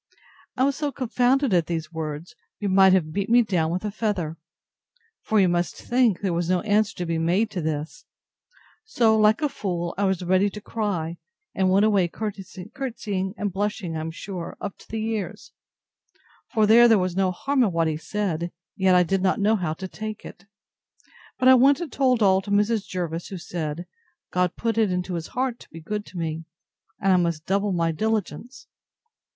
I was so confounded at these words, you might have beat me down with a feather. For you must think, there was no answer to be made to this: So, like a fool, I was ready to cry; and went away courtesying and blushing, I am sure, up to the ears; for, though there was no harm in what he said, yet I did not know how to take it. But I went and told all to Mrs. Jervis, who said, God put it into his heart to be good to me; and I must double my diligence.